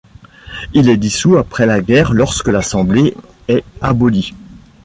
Il est dissous après la guerre lorsque l'assemblée est abolie.